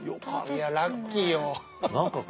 いやラッキーよ。